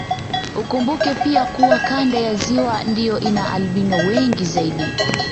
Ukumbuke pia kuwa kanda ya ziwa ndio ina albino wengi zaidi